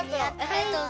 ありがとう。